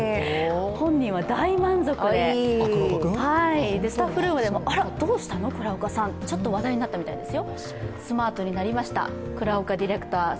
本人は大満足で、スタッフルームでもどうしたの倉岡さんと、ちょっと話題になったみたいですよ。